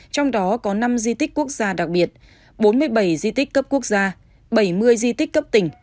trong đó có năm di tích quốc gia đặc biệt bốn mươi bảy di tích cấp quốc gia bảy mươi di tích cấp tỉnh